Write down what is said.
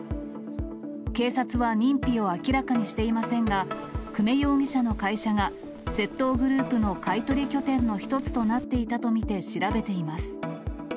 警察は認否を明らかにしていませんが、久米容疑者の会社が窃盗グループの買い取り拠点の一つとなっていたと見て調べています。